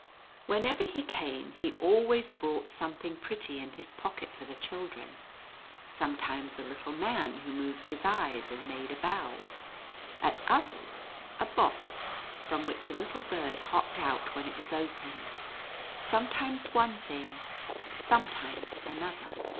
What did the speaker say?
Whenever he came, he always brought some thing pretty in his pocket for the children, some times a little man who moved his eyes and made a 1)0 w, at others, a box, from which a little bird hopped out when it was opened — sometimes one thins;, sometimes another.